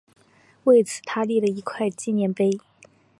为此他立了一块纪念碑。